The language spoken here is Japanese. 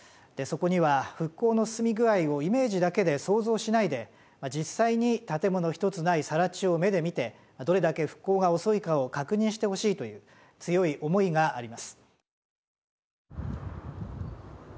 そこには復興の進み具合をイメージだけで想像しないで実際に建物一つないさら地を目で見てどれだけ復興が遅いかを確認してほしいという強い思いがあります。